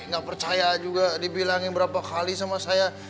gak percaya juga dibilangin berapa kali sama saya